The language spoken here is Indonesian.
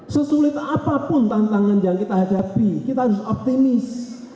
sesulit apapun tantangan yang kita hadapi kita harus optimis